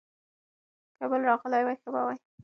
که بل راغلی وای، ښه به وای.